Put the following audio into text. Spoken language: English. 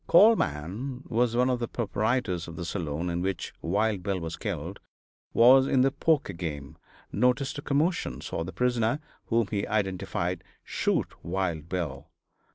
Carl Mann was one of the proprietors of the saloon in which Wild Bill was killed; was in the poker game; noticed a commotion; saw the prisoner (whom he identified) shoot Wild Bill.